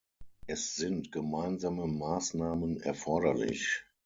Es sind gemeinsame Maßnahmen erforderlich.